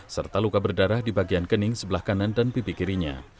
serta luka berdarah di bagian kening sebelah kanan dan pipi kirinya